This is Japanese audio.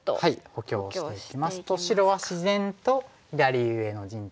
補強していきますと白は自然と左上の陣地が固まりまして。